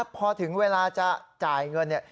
พอถึงเวลาจะจ่ายเงินเนี่ย